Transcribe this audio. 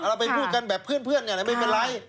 เราไปพูดกันแบบเพื่อนเนี่ยนะไม่เป็นไร